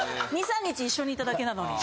２３日一緒にいただけなのに。